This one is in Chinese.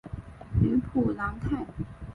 吕普朗泰。